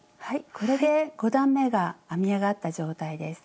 これで５段めが編みあがった状態です。